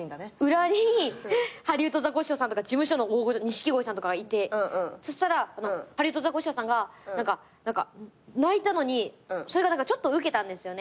裏にハリウッドザコシショウさんとか事務所の大御所錦鯉さんとかがいてそしたらハリウッドザコシショウさんが泣いたのにそれがちょっとウケたんですよね。